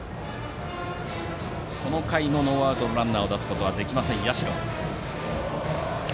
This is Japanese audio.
この回もノーアウトのランナーを出すことはできません、社。